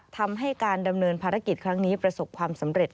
ทำให้การดำเนินภารกิจครั้งนี้ประสบความสำเร็จ